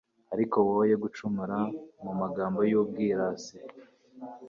ariko woye gucumura mu magambo y'ubwirasi